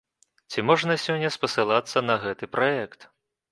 Ці можна сёння спасылацца на гэты праект?